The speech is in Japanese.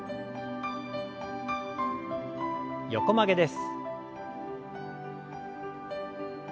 横曲げです。